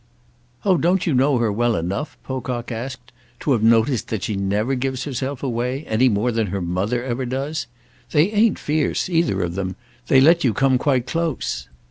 "Oh don't you know her well enough," Pocock asked, "to have noticed that she never gives herself away, any more than her mother ever does? They ain't fierce, either of 'em; they let you come quite close.